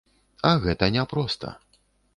А гэта не проста.